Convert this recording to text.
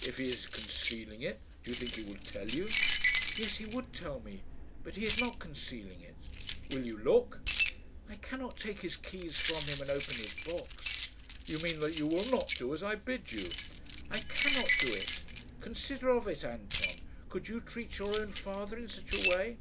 "If he is concealing it, do you think he will tell you?" "Yes, he would tell me. But he is not concealing it." "Will you look?" "I cannot take his keys from him and open his box." "You mean that you will not do as I bid you?" "I cannot do it. Consider of it, Anton. Could you treat your own father in such a way?"